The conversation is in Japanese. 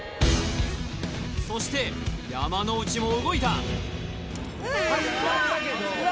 そして山之内も動いたうわ